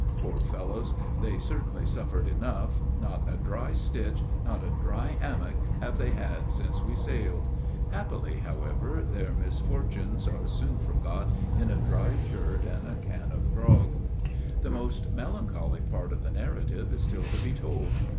Poor fellows! they certainly suffered enough; not a dry stitch, not a dry hammock have they had since we sailed. Happily, however, their misfortunes are soon forgot in a dry shirt and a can of grog. The most melancholy part of the narrative is still to be told.